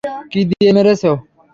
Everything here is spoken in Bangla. কী দিয়ে মেরেছে?